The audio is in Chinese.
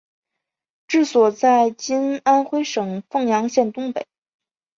治所在今安徽省凤阳县东北。